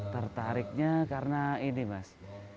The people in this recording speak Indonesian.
tertariknya karena ini mas